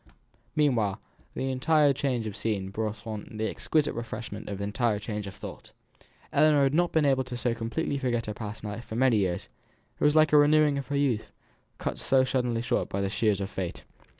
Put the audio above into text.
Meanwhile, the entire change of scene brought on the exquisite refreshment of entire change of thought. Ellinor had not been able so completely to forget her past life for many years; it was like a renewing of her youth; cut so suddenly short by the shears of Fate.